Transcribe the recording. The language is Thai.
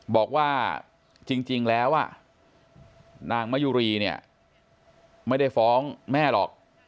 บอกว่าจริงแล้วนางมะยุรีเนี่ยไม่ได้ฟ้องแม่หรอก